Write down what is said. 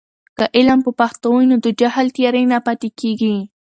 که علم په پښتو وي، نو د جهل تیارې نه پاتې کیږي.